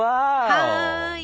はい！